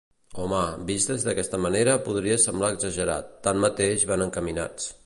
Home, vist d'aquesta manera podria semblar exagerat, tanmateix van encaminats.